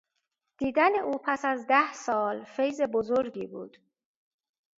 دیدن او پس از ده سال فیض بزرگی بود.